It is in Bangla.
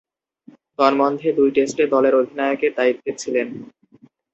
তন্মধ্যে, দুই টেস্টে দলের অধিনায়কের দায়িত্বে ছিলেন।